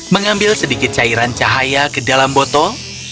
mengambil sedikit cairan cahaya ke dalam botol